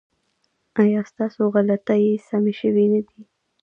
ایا ستاسو غلطۍ سمې شوې نه دي؟